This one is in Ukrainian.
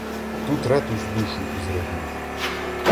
Тут Ретус душу ізригнув.